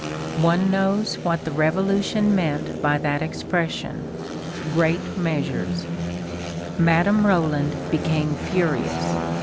One knows what the Revolution meant by that expression: great measures. Madame Roland became furious.